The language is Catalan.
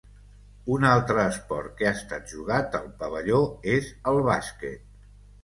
Un altre esport que ha estat jugat al pavelló és el bàsquet.